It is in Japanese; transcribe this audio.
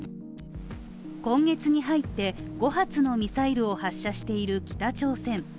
今月に入って５発のミサイルを発射している北朝鮮。